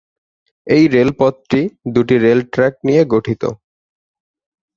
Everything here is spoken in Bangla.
এই রেলপথটি দুটি রেল ট্র্যাক নিয়ে গঠিত।